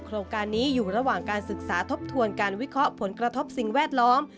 โครงการนี้อยู่ระหว่างการศึกษาทบทวนการวิเคราะห์ผลกระทบสิ่งแวดล้อม